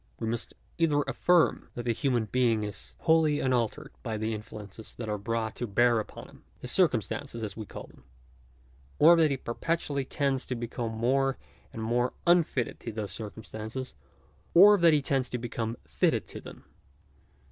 We must either affirm that the human being is wholly unaltered by the influences that are brought to bear upon him — his circumstances as we call them ; or that he perpetually tends to become more and more unfitted to those circumstances ; or that he tends to become fitted to them.